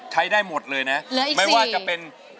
ใช้ได้หมดเลยนะไม่ว่าจะเป็น